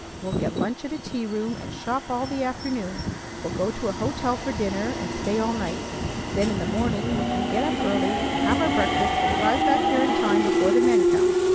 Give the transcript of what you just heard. We'll get lunch at a tea room, and shop all the afternoon. We'll go to a hotel for dinner, and stay all night. Then in the morning we can get up early, have our breakfast, and drive back here in time before the men come.